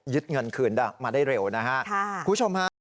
เงินคืนมาได้เร็วนะฮะคุณผู้ชมฮะ